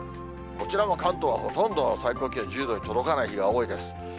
こちらも関東はほとんど最高気温１０度に届かない日が多いです。